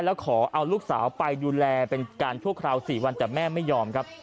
แล้วขอเอาลูกสาวไปดูแลเป็นการชั่วคราว๔วันแต่แม่ไม่ยอมครับ